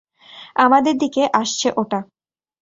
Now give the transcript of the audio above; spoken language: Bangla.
আমাদের দিকে আসছে ওটা।